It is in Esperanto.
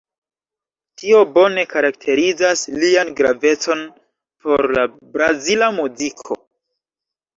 Tio bone karakterizas lian gravecon por la brazila muziko.